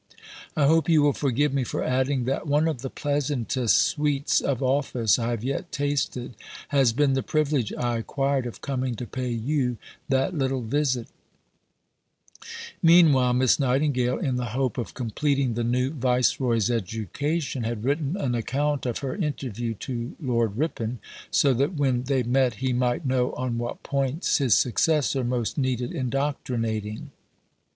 I hope you will forgive me for adding that one of the pleasantest "sweets of office" I have yet tasted has been the privilege I acquired of coming to pay you that little visit. They were ultimately passed with some amendment by Lord Ripon's successor. Meanwhile, Miss Nightingale, in the hope of completing the new Viceroy's education, had written an account of her interview to Lord Ripon, so that when they met he might know on what points his successor most needed indoctrinating.